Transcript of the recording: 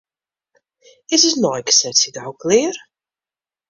Is ús neigesetsje gau klear?